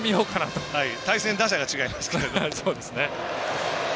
対戦打者が違いますけどね。